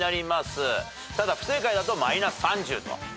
ただ不正解だとマイナス３０と。